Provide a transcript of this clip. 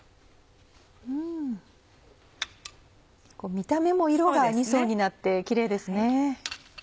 見た目も色が２層になってキレイですね。